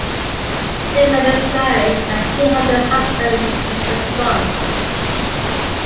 Lehman is married, and she and her husband have a son.